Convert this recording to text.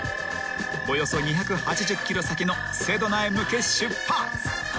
［およそ２８０ｋｍ先のセドナへ向け出発］